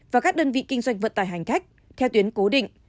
và các đơn vị kinh doanh vận tải hành khách theo tuyến cố định